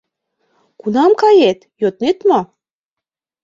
— Кунам кает, йоднет мо?